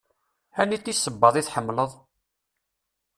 Aniti sebbaḍ i tḥemmleḍ?